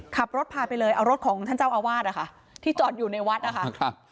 ขับรถพาไปเลยเอารถของท่านเจ้าอาวาสนะคะที่จอดอยู่ในวัดนะคะครับ